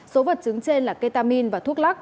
số vật chứng trên là ketamin và thuốc lắc